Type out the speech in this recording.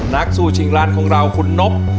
นักสู้ชิงล้านของเราคุณนบ